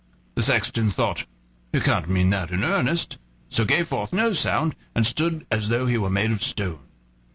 The sexton thought: "He can't mean that in earnest," so gave forth no sound, and stood as though he were made of stone.